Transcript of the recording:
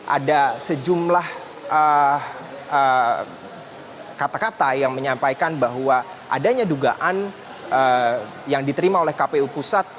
ada sejumlah kata kata yang menyampaikan bahwa adanya dugaan yang diterima oleh kpu pusat